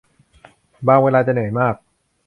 บางเวลาจะเหนื่อยมาก